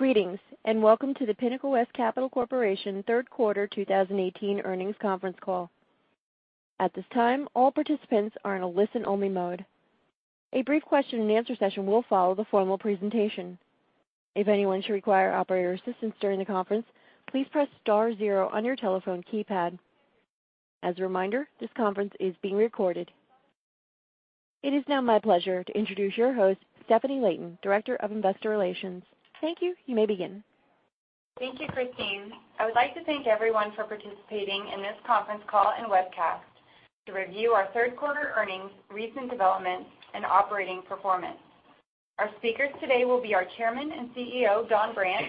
Greetings. Welcome to the Pinnacle West Capital Corporation third quarter 2018 earnings conference call. At this time, all participants are in a listen-only mode. A brief question and answer session will follow the formal presentation. If anyone should require operator assistance during the conference, please press star zero on your telephone keypad. As a reminder, this conference is being recorded. It is now my pleasure to introduce your host, Stefanie Layton, Director of Investor Relations. Thank you. You may begin. Thank you, Christine. I would like to thank everyone for participating in this conference call and webcast to review our third quarter earnings, recent developments, and operating performance. Our speakers today will be our Chairman and CEO, Don Brandt,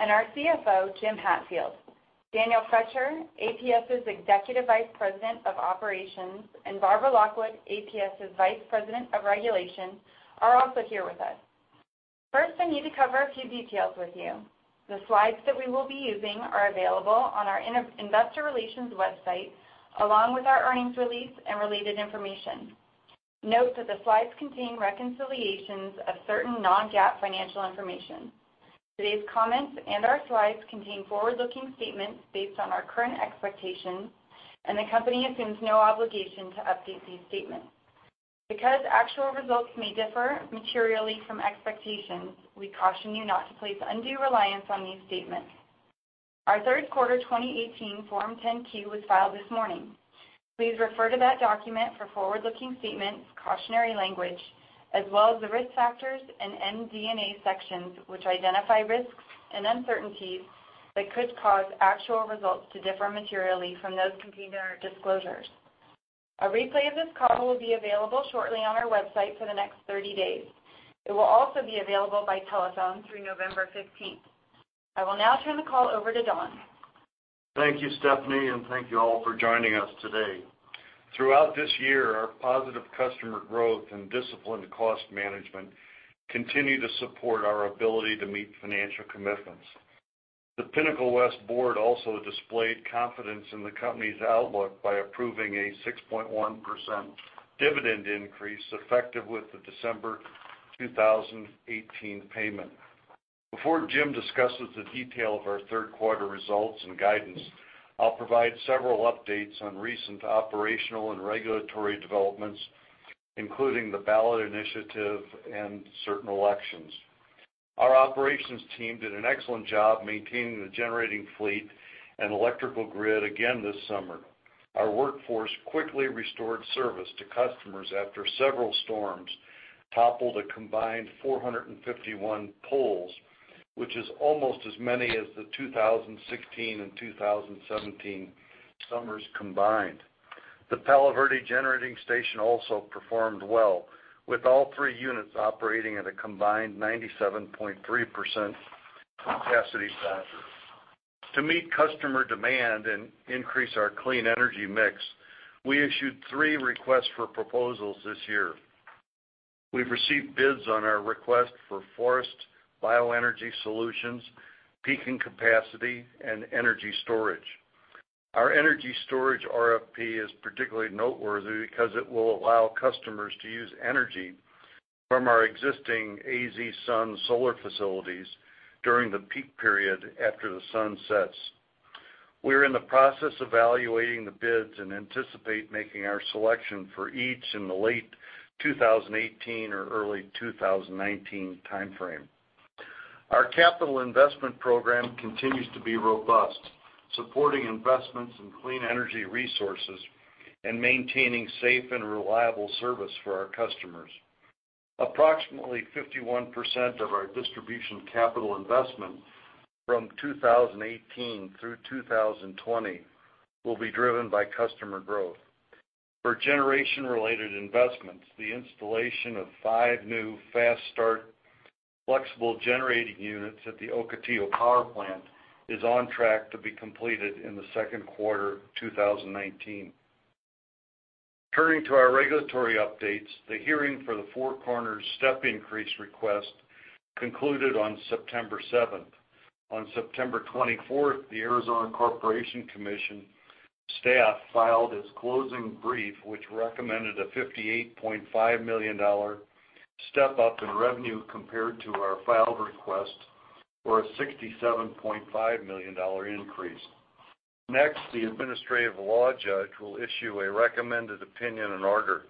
and our CFO, Jim Hatfield. Jacob Tetlow, APS's Executive Vice President of Operations, and Barbara Lockwood, APS's Vice President of Regulation, are also here with us. First, I need to cover a few details with you. The slides that we will be using are available on our investor relations website, along with our earnings release and related information. Note that the slides contain reconciliations of certain non-GAAP financial information. Today's comments and our slides contain forward-looking statements based on our current expectations. The company assumes no obligation to update these statements. Actual results may differ materially from expectations, we caution you not to place undue reliance on these statements. Our third quarter 2018 Form 10-Q was filed this morning. Please refer to that document for forward-looking statements, cautionary language, as well as the Risk Factors and MD&A sections, which identify risks and uncertainties that could cause actual results to differ materially from those contained in our disclosures. A replay of this call will be available shortly on our website for the next 30 days. It will also be available by telephone through November 15th. I will now turn the call over to Don. Thank you, Stefanie. Thank you all for joining us today. Throughout this year, our positive customer growth and disciplined cost management continue to support our ability to meet financial commitments. The Pinnacle West board also displayed confidence in the company's outlook by approving a 6.1% dividend increase effective with the December 2018 payment. Before Jim discusses the detail of our third quarter results and guidance, I'll provide several updates on recent operational and regulatory developments, including the ballot initiative and certain elections. Our operations team did an excellent job maintaining the generating fleet and electrical grid again this summer. Our workforce quickly restored service to customers after several storms toppled a combined 451 poles, which is almost as many as the 2016 and 2017 summers combined. The Palo Verde Generating Station also performed well, with all three units operating at a combined 97.3% capacity factor. To meet customer demand and increase our clean energy mix, we issued three requests for proposals this year. We've received bids on our request for forest bioenergy solutions, peaking capacity, and energy storage. Our energy storage RFP is particularly noteworthy because it will allow customers to use energy from our existing AZ Sun solar facilities during the peak period after the sun sets. We're in the process of evaluating the bids and anticipate making our selection for each in the late 2018 or early 2019 timeframe. Our capital investment program continues to be robust, supporting investments in clean energy resources and maintaining safe and reliable service for our customers. Approximately 51% of our distribution capital investment from 2018 through 2020 will be driven by customer growth. For generation-related investments, the installation of five new fast-start flexible generating units at the Ocotillo Power Plant is on track to be completed in the second quarter 2019. Turning to our regulatory updates, the hearing for the Four Corners step increase request concluded on September 7th. On September 24th, the Arizona Corporation Commission staff filed its closing brief, which recommended a $58.5 million step-up in revenue compared to our filed request, or a $67.5 million increase. Next, the administrative law judge will issue a recommended opinion and order.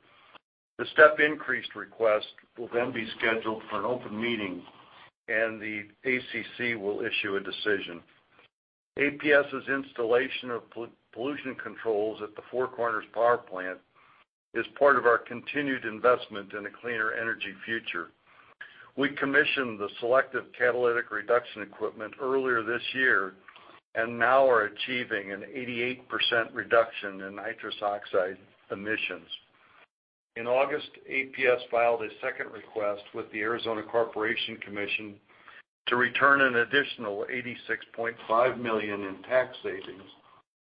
The step increase request will then be scheduled for an open meeting, and the ACC will issue a decision. APS's installation of pollution controls at the Four Corners Power Plant is part of our continued investment in a cleaner energy future. We commissioned the selective catalytic reduction equipment earlier this year. Now are achieving an 88% reduction in nitrous oxide emissions. In August, APS filed a second request with the Arizona Corporation Commission to return an additional $86.5 million in tax savings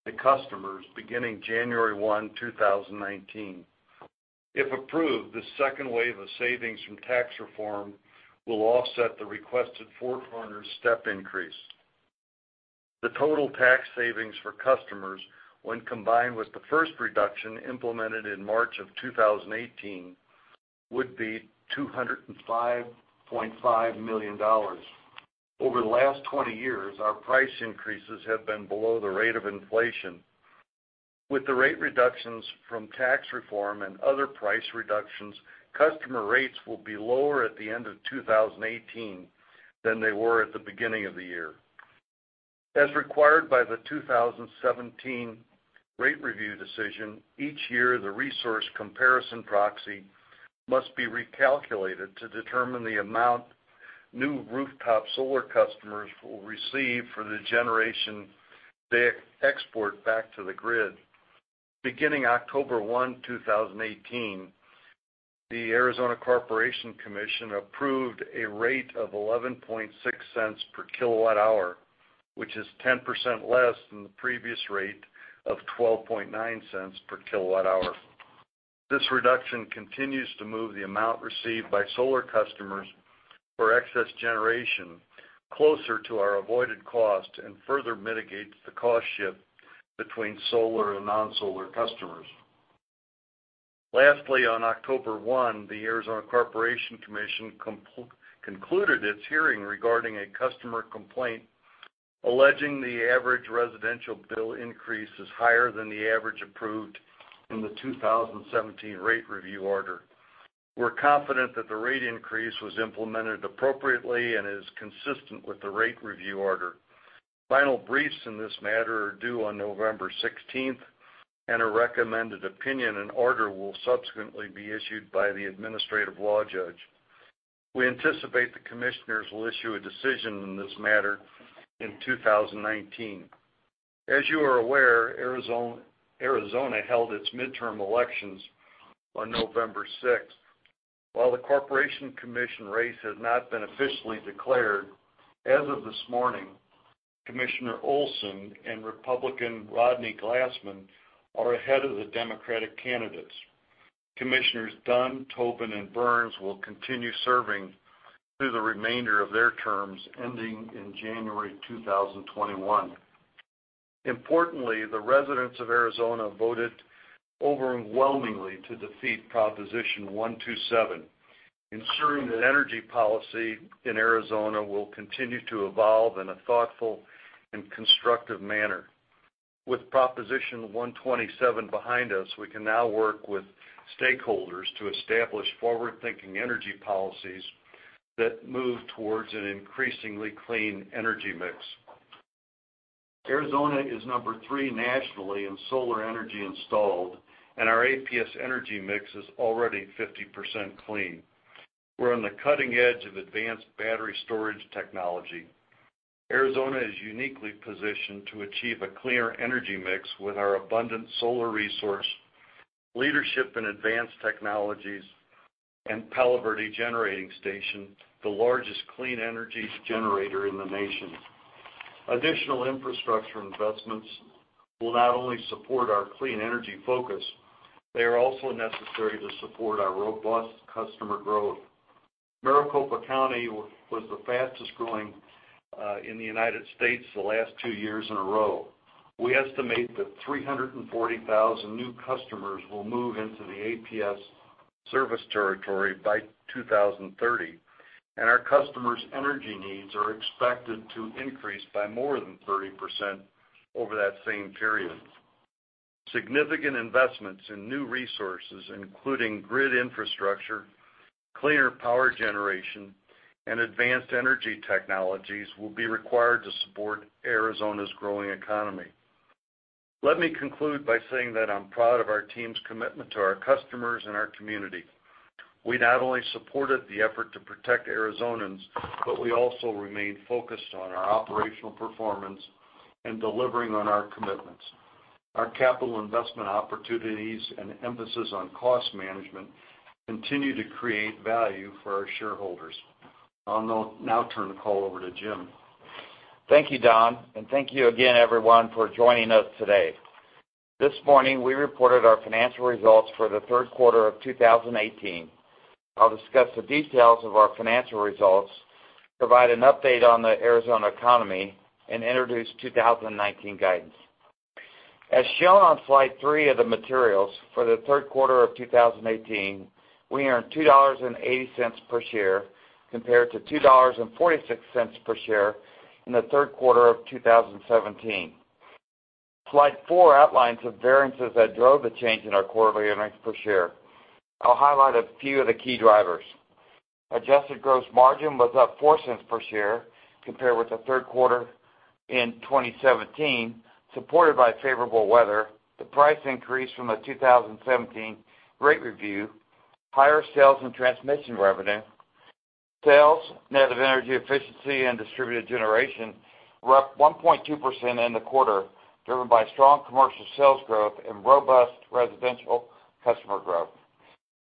to customers beginning January 1, 2019. If approved, this second wave of savings from tax reform will offset the requested Four Corners step increase. The total tax savings for customers when combined with the first reduction implemented in March of 2018 would be $205.5 million. Over the last 20 years, our price increases have been below the rate of inflation. With the rate reductions from tax reform and other price reductions, customer rates will be lower at the end of 2018 than they were at the beginning of the year. As required by the 2017 rate review decision, each year the Resource Comparison Proxy must be recalculated to determine the amount new rooftop solar customers will receive for the generation they export back to the grid. Beginning October 1, 2018, the Arizona Corporation Commission approved a rate of $0.116 per kilowatt hour, which is 10% less than the previous rate of $0.129 per kilowatt hour. This reduction continues to move the amount received by solar customers for excess generation closer to our avoided cost and further mitigates the cost shift between solar and non-solar customers. Lastly, on October 1, the Arizona Corporation Commission concluded its hearing regarding a customer complaint alleging the average residential bill increase is higher than the average approved in the 2017 rate review order. We're confident that the rate increase was implemented appropriately and is consistent with the rate review order. Final briefs in this matter are due on November 16th, and a recommended opinion and order will subsequently be issued by the administrative law judge. We anticipate the commissioners will issue a decision in this matter in 2019. As you are aware, Arizona held its midterm elections on November 6th. While the Corporation Commission race has not been officially declared, as of this morning, Commissioner Olson and Republican Rodney Glassman are ahead of the Democratic candidates. Commissioners Dunn, Tobin, and Burns will continue serving through the remainder of their terms, ending in January 2021. Importantly, the residents of Arizona voted overwhelmingly to defeat Proposition 127, ensuring that energy policy in Arizona will continue to evolve in a thoughtful and constructive manner. With Proposition 127 behind us, we can now work with stakeholders to establish forward-thinking energy policies that move towards an increasingly clean energy mix. Arizona is number three nationally in solar energy installed, and our APS energy mix is already 50% clean. We're on the cutting edge of advanced battery storage technology. Arizona is uniquely positioned to achieve a cleaner energy mix with our abundant solar resource, leadership in advanced technologies, and Palo Verde Generating Station, the largest clean energy generator in the nation. Additional infrastructure investments will not only support our clean energy focus, they are also necessary to support our robust customer growth. Maricopa County was the fastest growing in the U.S. the last two years in a row. We estimate that 340,000 new customers will move into the APS service territory by 2030, and our customers' energy needs are expected to increase by more than 30% over that same period. Significant investments in new resources, including grid infrastructure, cleaner power generation, and advanced energy technologies, will be required to support Arizona's growing economy. Let me conclude by saying that I'm proud of our team's commitment to our customers and our community. We not only supported the effort to protect Arizonans, but we also remained focused on our operational performance and delivering on our commitments. Our capital investment opportunities and emphasis on cost management continue to create value for our shareholders. I'll now turn the call over to Jim. Thank you, Don, and thank you again, everyone, for joining us today. This morning, we reported our financial results for the third quarter of 2018. I'll discuss the details of our financial results, provide an update on the Arizona economy, and introduce 2019 guidance. As shown on slide three of the materials, for the third quarter of 2018, we earned $2.80 per share compared to $2.46 per share in the third quarter of 2017. Slide four outlines the variances that drove the change in our quarterly earnings per share. I'll highlight a few of the key drivers. Adjusted gross margin was up $0.04 per share compared with the third quarter in 2017, supported by favorable weather, the price increase from the 2017 rate review, higher sales and transmission revenue. Sales net of energy efficiency and distributed generation were up 1.2% in the quarter, driven by strong commercial sales growth and robust residential customer growth.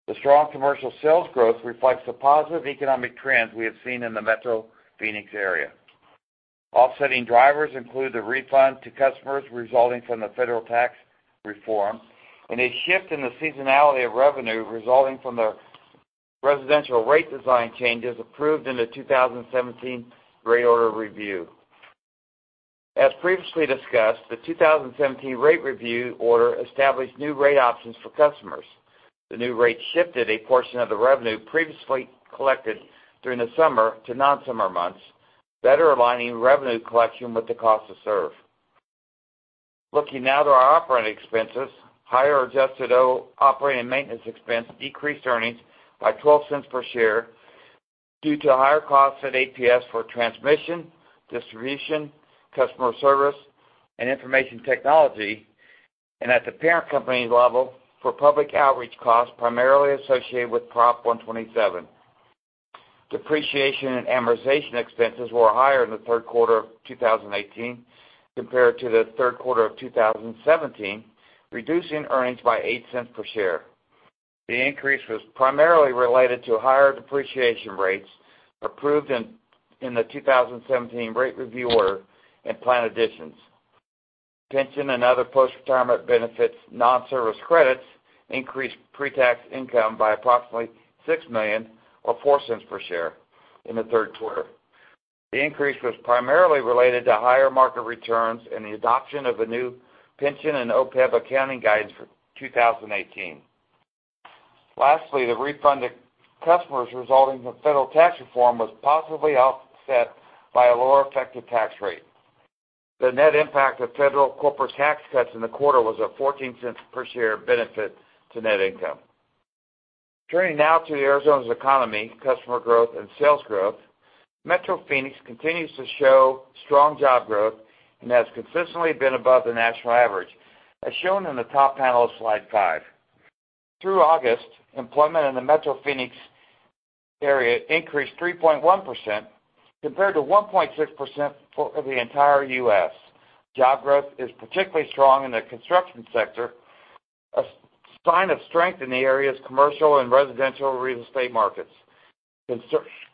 The strong commercial sales growth reflects the positive economic trends we have seen in the Metro Phoenix area. Offsetting drivers include the refund to customers resulting from the federal tax reform, and a shift in the seasonality of revenue resulting from the residential rate design changes approved in the 2017 rate order review. As previously discussed, the 2017 rate review order established new rate options for customers. The new rates shifted a portion of the revenue previously collected during the summer to non-summer months, better aligning revenue collection with the cost to serve. Looking now to our operating expenses, higher adjusted operating and maintenance expense decreased earnings by $0.12 per share due to higher costs at APS for transmission, distribution, customer service, and information technology, and at the parent company level for public outreach costs, primarily associated with Prop 127. Depreciation and amortization expenses were higher in the third quarter of 2018 compared to the third quarter of 2017, reducing earnings by $0.08 per share. The increase was primarily related to higher depreciation rates approved in the 2017 rate review order and planned additions. Pension and other post-retirement benefits, non-service credits increased pre-tax income by approximately $6 million or $0.04 per share in the third quarter. The increase was primarily related to higher market returns and the adoption of a new pension and OPEB accounting guidance for 2018. Lastly, the refund to customers resulting from federal tax reform was positively offset by a lower effective tax rate. The net impact of federal corporate tax cuts in the quarter was a $0.14 per share benefit to net income. Turning now to Arizona's economy, customer growth, and sales growth. Metro Phoenix continues to show strong job growth and has consistently been above the national average, as shown in the top panel of slide five. Through August, employment in the Metro Phoenix area increased 3.1% compared to 1.6% for the entire U.S. Job growth is particularly strong in the construction sector, a sign of strength in the area's commercial and residential real estate markets.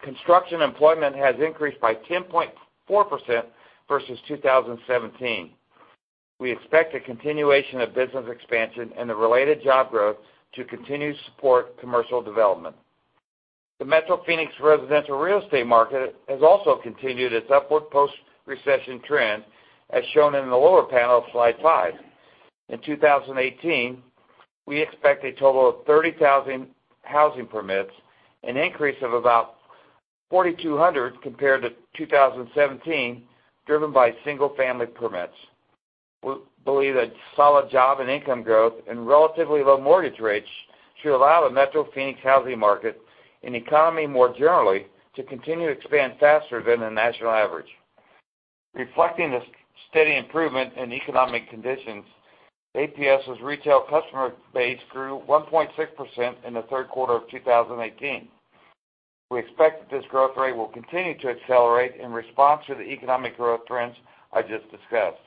Construction employment has increased by 10.4% versus 2017. We expect a continuation of business expansion and the related job growth to continue to support commercial development. The Metro Phoenix residential real estate market has also continued its upward post-recession trend, as shown in the lower panel of slide five. In 2018, we expect a total of 30,000 housing permits, an increase of about 4,200 compared to 2017, driven by single-family permits. We believe that solid job and income growth and relatively low mortgage rates should allow the Metro Phoenix housing market and economy more generally to continue to expand faster than the national average. Reflecting this steady improvement in economic conditions, APS's retail customer base grew 1.6% in the third quarter of 2018. We expect that this growth rate will continue to accelerate in response to the economic growth trends I just discussed.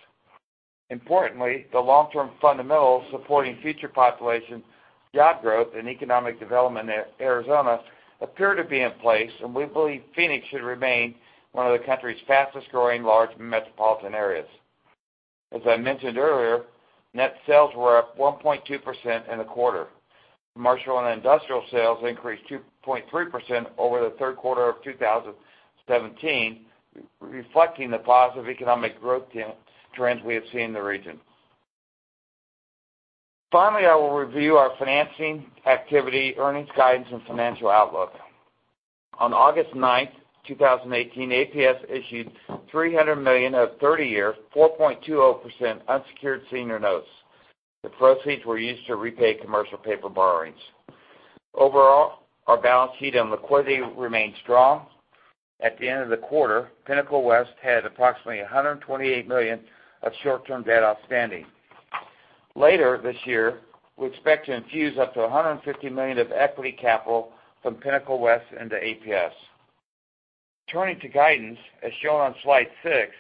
Importantly, the long-term fundamentals supporting future population job growth and economic development in Arizona appear to be in place, and we believe Phoenix should remain one of the country's fastest-growing large metropolitan areas. As I mentioned earlier, net sales were up 1.2% in the quarter. Commercial and industrial sales increased 2.3% over the third quarter of 2017, reflecting the positive economic growth trends we have seen in the region. Finally, I will review our financing activity, earnings guidance, and financial outlook. On August 9th, 2018, APS issued $300 million of 30-year, 4.20% unsecured senior notes. The proceeds were used to repay commercial paper borrowings. Overall, our balance sheet and liquidity remain strong. At the end of the quarter, Pinnacle West had approximately $128 million of short-term debt outstanding. Later this year, we expect to infuse up to $150 million of equity capital from Pinnacle West into APS. Turning to guidance, as shown on slide six,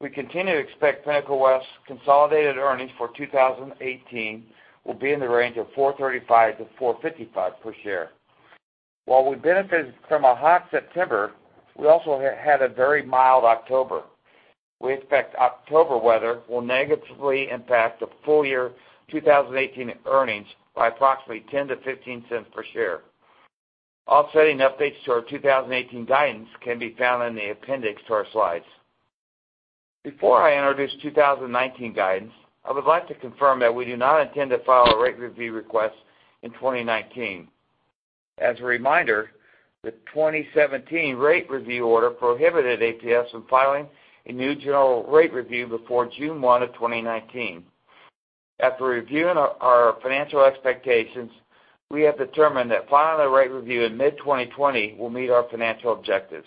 we continue to expect Pinnacle West's consolidated earnings for 2018 will be in the range of $4.35-$4.55 per share. While we benefited from a hot September, we also had a very mild October. We expect October weather will negatively impact the full-year 2018 earnings by approximately $0.10-$0.15 per share. Offsetting updates to our 2018 guidance can be found in the appendix to our slides. Before I introduce 2019 guidance, I would like to confirm that we do not intend to file a rate review request in 2019. As a reminder, the 2017 rate review order prohibited APS from filing a new general rate review before June one of 2019. After reviewing our financial expectations, we have determined that filing a rate review in mid-2020 will meet our financial objectives.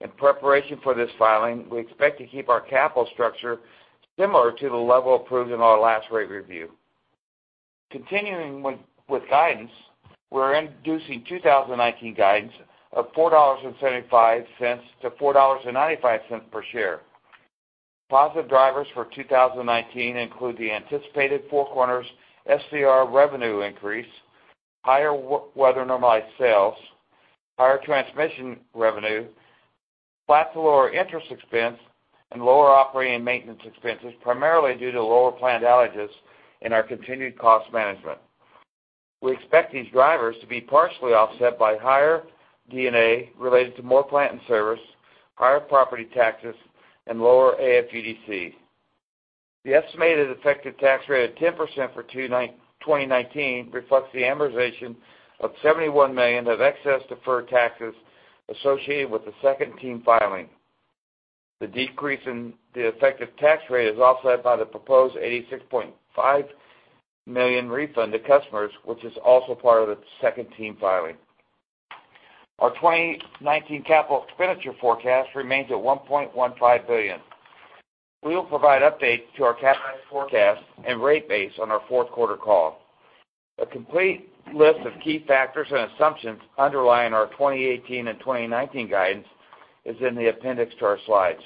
In preparation for this filing, we expect to keep our capital structure similar to the level approved in our last rate review. Continuing with guidance, we're introducing 2019 guidance of $4.75-$4.95 per share. Positive drivers for 2019 include the anticipated Four Corners SCR revenue increase, higher weather-normalized sales, higher transmission revenue. Flat to lower interest expense and lower operating and maintenance expenses, primarily due to lower plant outages and our continued cost management. We expect these drivers to be partially offset by higher D&A related to more plant and service, higher property taxes, and lower AFUDC. The estimated effective tax rate of 10% for 2019 reflects the amortization of $71 million of excess deferred taxes associated with the second TEAM filing. The decrease in the effective tax rate is offset by the proposed $86.5 million refund to customers, which is also part of the second TEAM filing. Our 2019 capital expenditure forecast remains at $1.15 billion. We will provide updates to our capital forecast and rate base on our fourth quarter call. A complete list of key factors and assumptions underlying our 2018 and 2019 guidance is in the appendix to our slides.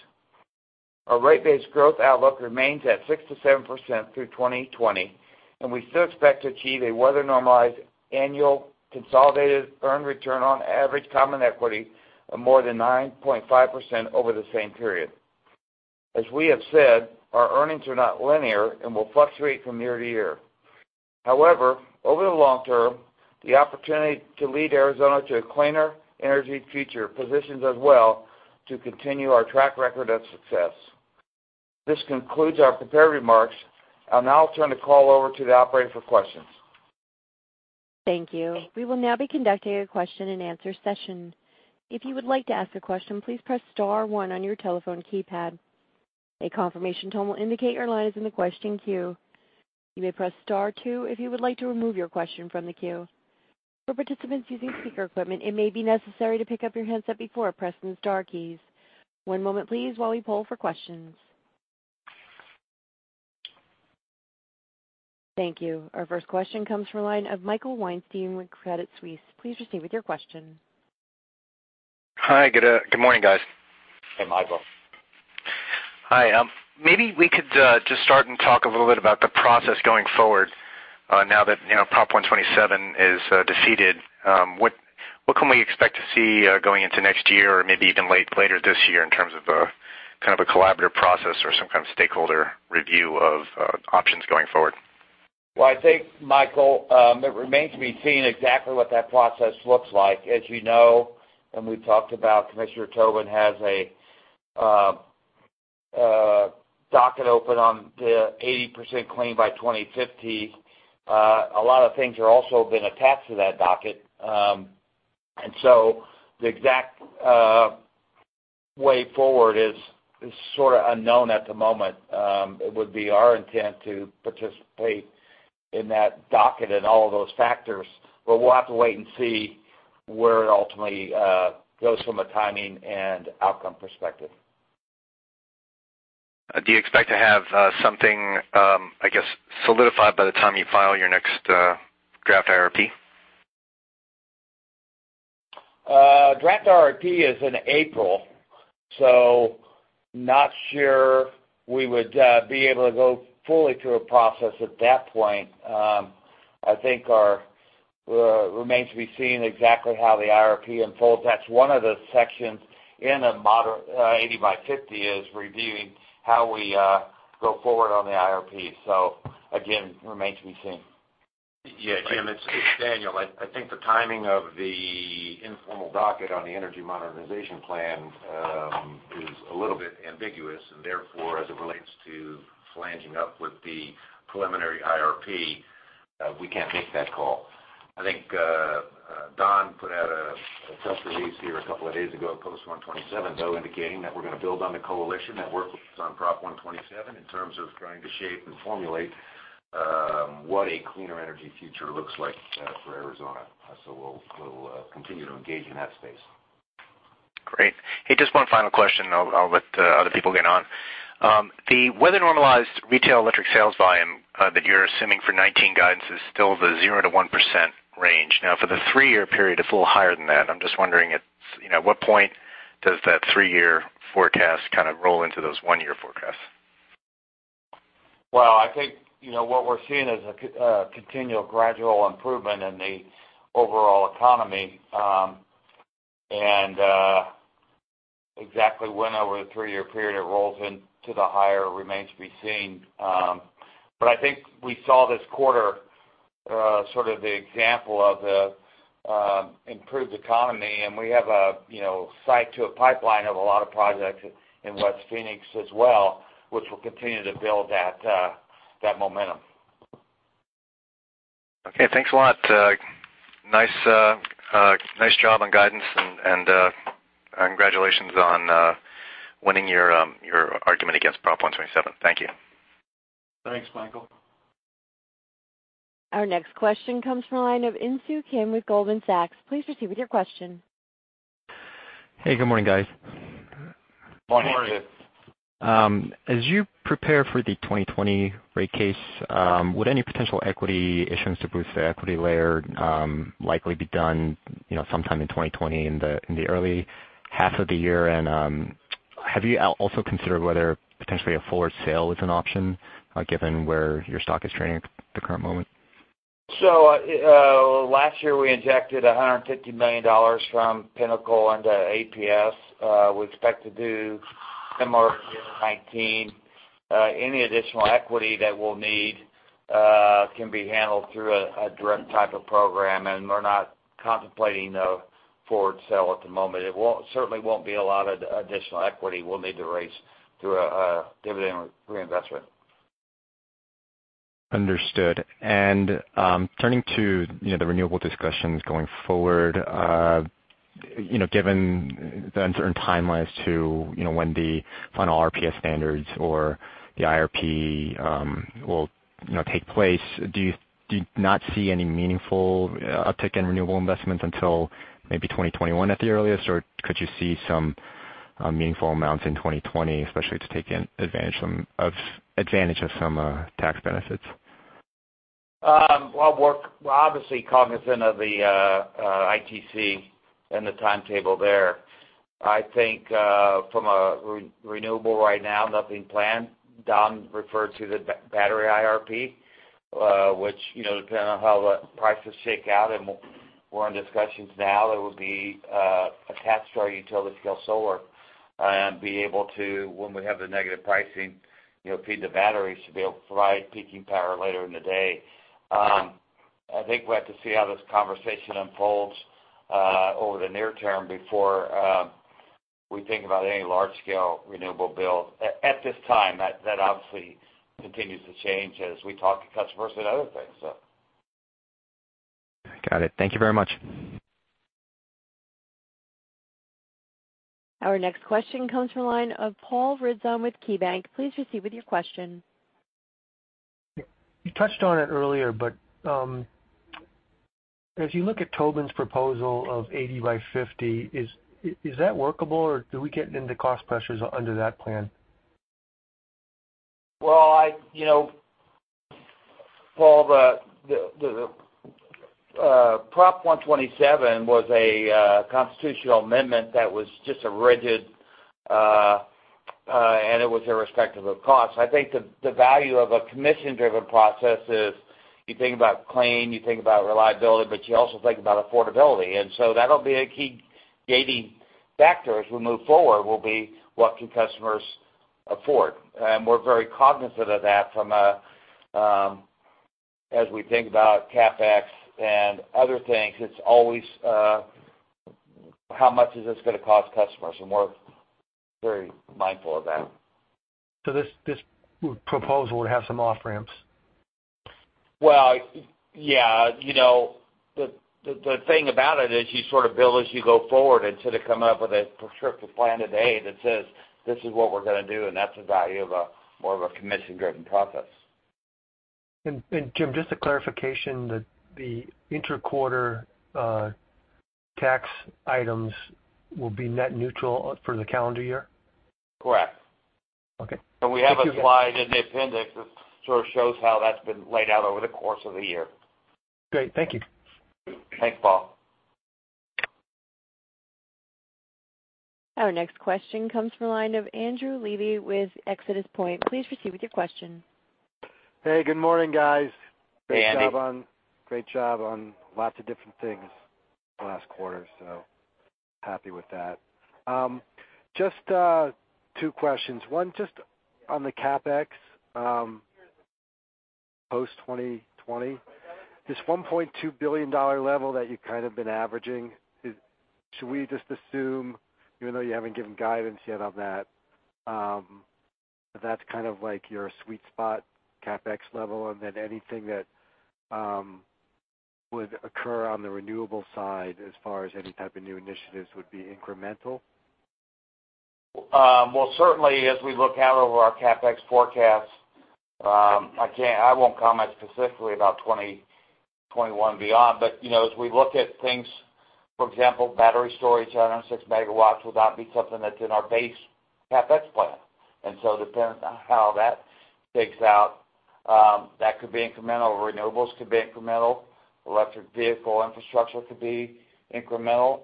Our rate base growth outlook remains at 6%-7% through 2020, and we still expect to achieve a weather-normalized annual consolidated earned return on average common equity of more than 9.5% over the same period. As we have said, our earnings are not linear and will fluctuate from year to year. However, over the long term, the opportunity to lead Arizona to a cleaner energy future positions us well to continue our track record of success. This concludes our prepared remarks. I'll now turn the call over to the operator for questions. Thank you. We will now be conducting a question and answer session. If you would like to ask a question, please press star one on your telephone keypad. A confirmation tone will indicate your line is in the question queue. You may press star two if you would like to remove your question from the queue. For participants using speaker equipment, it may be necessary to pick up your handset before pressing the star keys. One moment please while we poll for questions. Thank you. Our first question comes from the line of Michael Weinstein with Credit Suisse. Please proceed with your question. Hi, good morning, guys. Hey, Michael. Hi. Maybe we could just start and talk a little bit about the process going forward. Now that Prop 127 is defeated, what can we expect to see going into next year or maybe even later this year in terms of a collaborative process or some kind of stakeholder review of options going forward? Well, I think, Michael Weinstein, it remains to be seen exactly what that process looks like. As you know, and we've talked about, Commissioner Tobin has a docket open on the 80% clean by 2050. A lot of things have also been attached to that docket. The exact way forward is sort of unknown at the moment. It would be our intent to participate in that docket and all of those factors, but we'll have to wait and see where it ultimately goes from a timing and outcome perspective. Do you expect to have something, I guess, solidified by the time you file your next draft IRP? Draft IRP is in April, not sure we would be able to go fully through a process at that point. I think it remains to be seen exactly how the IRP unfolds. That's one of the sections in a model 80 by 50 is reviewing how we go forward on the IRP. Again, remains to be seen. Yeah, Jim, it's Daniel. I think the timing of the informal docket on the Energy Modernization Plan is a little bit ambiguous, and therefore, as it relates to aligning up with the preliminary IRP, we can't make that call. I think Don put out a press release here a couple of days ago, post-127, though, indicating that we're going to build on the coalition that worked with us on Prop 127 in terms of trying to shape and formulate what a cleaner energy future looks like for Arizona. We'll continue to engage in that space. Great. Just one final question, then I'll let other people get on. The weather-normalized retail electric sales volume that you're assuming for 2019 guidance is still the 0% to 1% range. Now, for the three-year period, it's a little higher than that. I'm just wondering at what point does that three-year forecast kind of roll into those one-year forecasts? Well, I think what we're seeing is a continual gradual improvement in the overall economy, and exactly when over the three-year period it rolls into the higher remains to be seen. I think we saw this quarter sort of the example of the improved economy, and we have a site to a pipeline of a lot of projects in West Phoenix as well, which will continue to build that momentum. Okay, thanks a lot. Nice job on guidance, and congratulations on winning your argument against Prop 127. Thank you. Thanks, Michael. Our next question comes from the line of Insoo Kim with Goldman Sachs. Please proceed with your question. Hey, good morning, guys. Morning. Morning. As you prepare for the 2020 rate case, would any potential equity issuance to boost the equity layer likely be done sometime in 2020 in the early half of the year? Have you also considered whether potentially a forward sale is an option given where your stock is trading at the current moment? Last year, we injected $150 million from Pinnacle into APS. We expect to do similar in year 2019. Any additional equity that we'll need can be handled through a direct type of program, and we're not contemplating a forward sale at the moment. It certainly won't be a lot of additional equity we'll need to raise through a dividend reinvestment. Turning to the renewable discussions going forward, given the uncertain timelines to when the final RPS standards or the IRP will take place, do you not see any meaningful uptick in renewable investments until maybe 2021 at the earliest? Or could you see some meaningful amounts in 2020, especially to take advantage of some tax benefits? Well, we're obviously cognizant of the ITC and the timetable there. I think from a renewable right now, nothing planned. Don referred to the battery RFP, which, depending on how the prices shake out, and we're in discussions now, it would be attached to our utility-scale solar and be able to, when we have the negative pricing, feed the batteries to be able to provide peaking power later in the day. I think we have to see how this conversation unfolds over the near term before we think about any large-scale renewable build. At this time, that obviously continues to change as we talk to customers and other things. Got it. Thank you very much. Our next question comes from the line of Paul Ridzon with KeyBank. Please proceed with your question. You touched on it earlier, as you look at Tobin's proposal of 80 by 50, is that workable, or do we get into cost pressures under that plan? Well, Paul, the Prop 127 was a constitutional amendment that was just a rigid and it was irrespective of cost. I think the value of a commission-driven process is you think about clean, you think about reliability, but you also think about affordability. That'll be a key gating factor as we move forward, will be what can customers afford. We're very cognizant of that as we think about CapEx and other things. It's always how much is this going to cost customers, and we're very mindful of that. This proposal would have some off-ramps? Well, yeah. The thing about it is you sort of build as you go forward instead of coming up with a prescriptive plan today that says, "This is what we're going to do," and that's the value of more of a commission-driven process. Jim, just a clarification that the inter-quarter tax items will be net neutral for the calendar year? Correct. Okay. We have a slide in the appendix that sort of shows how that's been laid out over the course of the year. Great. Thank you. Thanks, Paul. Our next question comes from the line of Andrew Levy with ExodusPoint. Please proceed with your question. Hey, good morning, guys. Hey, Andy. Great job on lots of different things last quarter, so happy with that. Just two questions. One, just on the CapEx post 2020. This $1.2 billion level that you've kind of been averaging, should we just assume, even though you haven't given guidance yet on that's kind of your sweet spot CapEx level? Anything that would occur on the renewable side as far as any type of new initiatives would be incremental? Certainly as we look out over our CapEx forecasts, I won't comment specifically about 2021 beyond. As we look at things, for example, battery storage at 106 MW, will that be something that's in our base CapEx plan? It depends on how that shakes out. That could be incremental. Renewables could be incremental. Electric vehicle infrastructure could be incremental.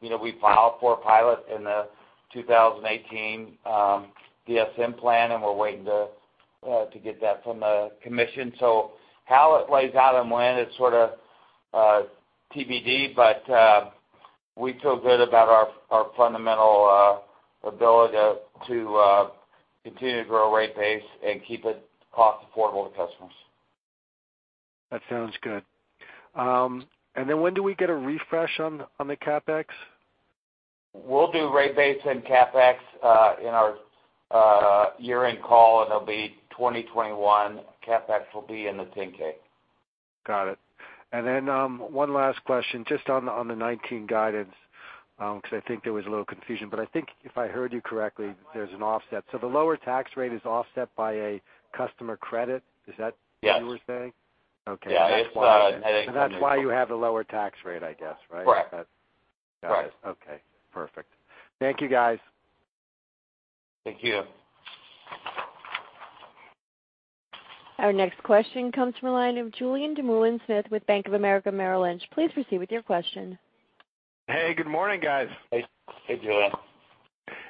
We filed for a pilot in the 2018 DSM plan, and we're waiting to get that from the commission. How it lays out and when is sort of TBD, but we feel good about our fundamental ability to continue to grow rate base and keep it cost affordable to customers. That sounds good. When do we get a refresh on the CapEx? We'll do rate base and CapEx in our year-end call, it'll be 2021. CapEx will be in the 10-K. Got it. One last question, just on the 2019 guidance, because I think there was a little confusion. I think if I heard you correctly, there's an offset. The lower tax rate is offset by a customer credit. Is that what you were saying? Yes. Okay. Yeah. That's why you have the lower tax rate, I guess, right? Correct. Got it. Okay, perfect. Thank you, guys. Thank you. Our next question comes from the line of Julien Dumoulin-Smith with Bank of America Merrill Lynch. Please proceed with your question. Hey, good morning, guys. Hey, Julien.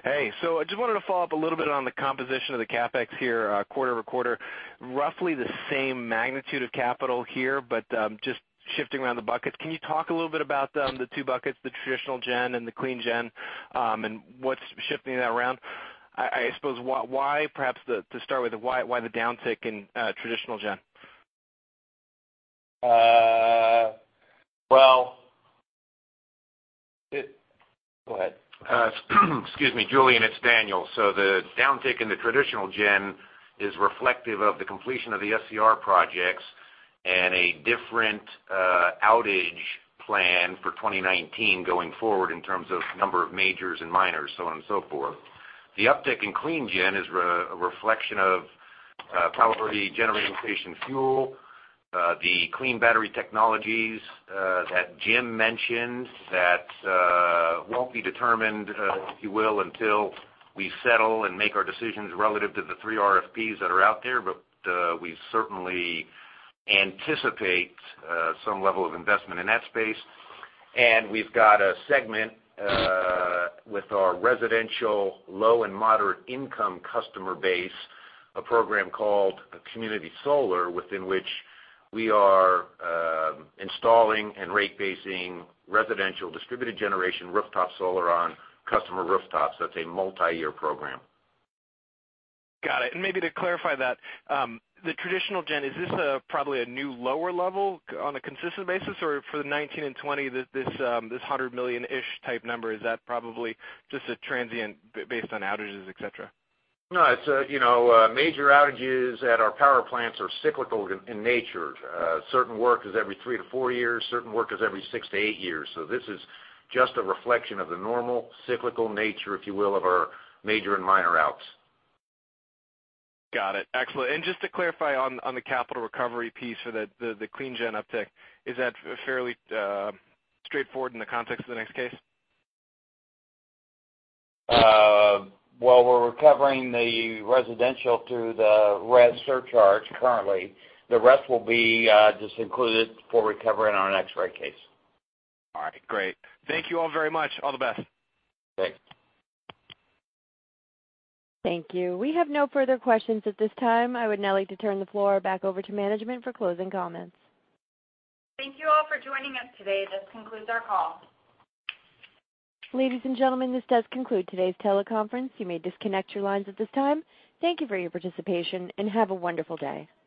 Hey. I just wanted to follow up a little bit on the composition of the CapEx here quarter-over-quarter. Roughly the same magnitude of capital here, but just shifting around the buckets. Can you talk a little bit about the two buckets, the traditional gen and the clean gen, and what's shifting that around? I suppose, perhaps to start with, why the downtick in traditional gen? Go ahead. Excuse me, Julien, it's Daniel. The downtick in the traditional gen is reflective of the completion of the SCR projects and a different outage plan for 2019 going forward in terms of number of majors and minors, so on and so forth. The uptick in clean gen is a reflection of Palo Verde Generating Station fuel, the clean battery technologies that Jim mentioned that won't be determined, if you will, until we settle and make our decisions relative to the three RFPs that are out there. We certainly anticipate some level of investment in that space. We've got a segment with our residential low and moderate-income customer base, a program called Community Solar, within which we are installing and rate-basing residential distributed generation rooftop solar on customer rooftops. That's a multi-year program. Got it. Maybe to clarify that, the traditional gen, is this probably a new lower level on a consistent basis? Or for the 2019 and 2020, this $100 million-ish type number, is that probably just a transient based on outages, et cetera? No. Major outages at our power plants are cyclical in nature. Certain work is every three to four years, certain work is every six to eight years. This is just a reflection of the normal cyclical nature, if you will, of our major and minor outs. Got it. Excellent. Just to clarify on the capital recovery piece for the clean gen uptick, is that fairly straightforward in the context of the next case? Well, we're recovering the residential through the RES surcharge currently. The rest will be just included for recovery in our next rate case. All right, great. Thank you all very much. All the best. Thanks. Thank you. We have no further questions at this time. I would now like to turn the floor back over to management for closing comments. Thank you all for joining us today. This concludes our call. Ladies and gentlemen, this does conclude today's teleconference. You may disconnect your lines at this time. Thank you for your participation, and have a wonderful day.